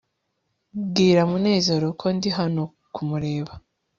bwira munezero ko ndi hano kumureba